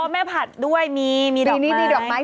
อ๋อแม่ผัดด้วยมีมีดอกไม้